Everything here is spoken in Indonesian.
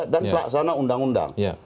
dan pelaksana undang undang